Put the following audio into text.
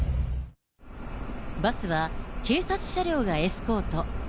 バスは警察車両がエスコート。